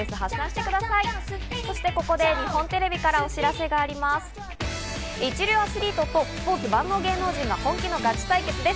そしてここで日本テレビからお知らせがあります。